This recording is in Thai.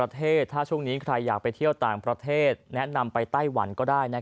ถ้าช่วงนี้ใครอยากไปเที่ยวต่างประเทศแนะนำไปไต้หวันก็ได้